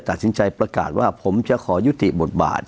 ตัดสินใจประกาศว่าผมจะขอยุติบทบาท